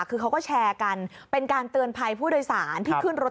คือเขาก็แชร์กันเป็นการเตือนภัยผู้โดยสารที่ขึ้นรถ